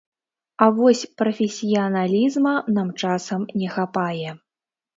А вось прафесіяналізма нам часам не хапае.